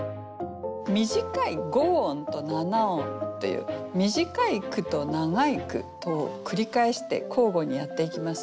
短い五音と七音という短い句と長い句とを繰り返して交互にやっていきますね。